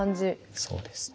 そうですね。